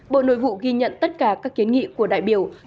bộ nội vụ ghi nhận tất cả các kiến nghị của đại biểu